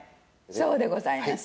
そうでございます。